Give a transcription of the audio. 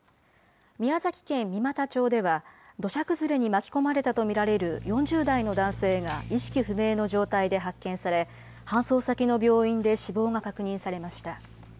宮崎県三股町では土砂崩れに巻き込まれたとみられる４０代の男性が意識不明の状態で発見され搬送先の病院で死亡が確認されました。